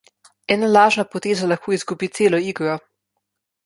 Ena lažna poteza lahko izgubi celo igro.